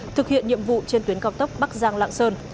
thực hiện nhiệm vụ trên tuyến cao tốc bắc giang lạng sơn